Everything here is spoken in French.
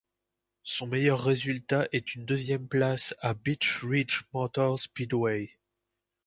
Son meilleur résultat est une deuxième place à Beech Ridge Motor Speedway.